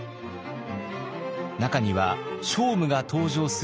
中には聖武が登場する作品も。